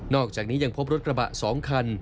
อกจากนี้ยังพบรถกระบะ๒คัน